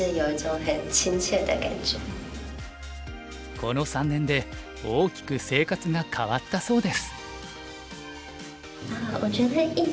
この３年で大きく生活が変わったそうです。